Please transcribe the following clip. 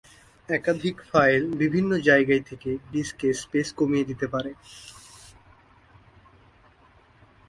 একাধিক ফাইল বিভিন্ন জায়গায় থেকে ডিস্কে স্পেস কমিয়ে দিতে পারে।